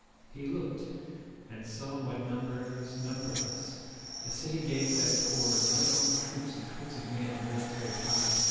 He looked, and saw what numbers numberless 310 The city gates outpoured, light armed troops In coats of mail and military pride.